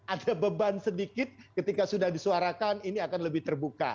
ada beban sedikit ketika sudah disuarakan ini akan lebih terbuka